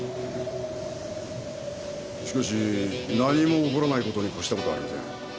しかし何も起こらないことに越したことはありません。